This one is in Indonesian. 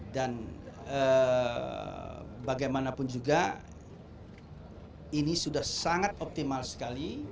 dan bagaimanapun juga ini sudah sangat optimal sekali